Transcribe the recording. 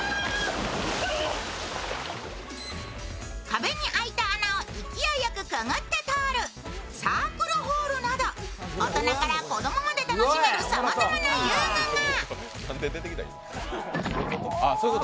壁に開いた穴を勢いよく潜って通るサークルホールなど大人から子供まで楽しめるさまざまな遊具が。